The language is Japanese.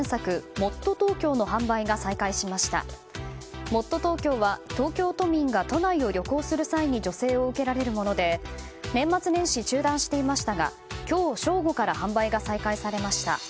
もっとＴｏｋｙｏは東京都民が都内を旅行する際に助成を受けられるもので年末年始、中断していましたが今日正午から販売が再開されました。